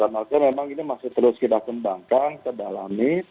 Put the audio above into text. karena memang ini masih terus kita kembangkan kita dalami